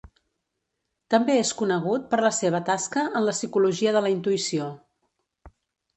També és conegut per la seva tasca en la psicologia de la intuïció.